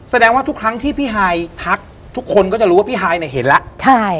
แสดงว่าทุกครั้งที่พี่ฮายทักทุกคนก็จะรู้ว่าพี่ฮายเนี่ยเห็นแล้วใช่